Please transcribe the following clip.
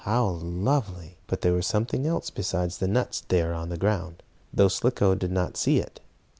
How lovely!" But there was something else besides the nuts there on the ground, though Slicko did not see it.